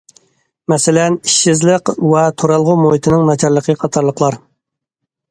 مەسىلەن، ئىشسىزلىق ۋە تۇرالغۇ مۇھىتىنىڭ ناچارلىقى قاتارلىقلار.